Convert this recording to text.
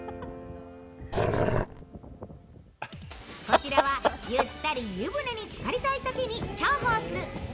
こちらはゆったり湯船につかりたいときに重宝する